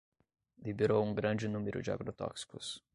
Liberou um grande número de agrotóxicos